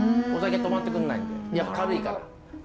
お酒止まってくれないんで軽いから。